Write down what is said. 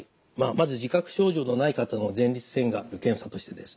まず自覚症状のない方の前立腺がんの検査としてですね